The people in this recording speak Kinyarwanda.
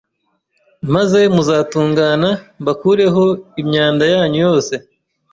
maze muzatungana, mbakureho imyanda yanyu yose